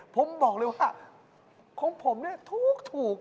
ผมบอกเลยว่าของผมเนี่ยถูก